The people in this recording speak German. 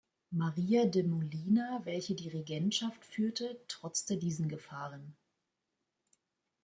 Maria de Molina, welche die Regentschaft führte, trotzte diesen Gefahren.